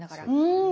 うん。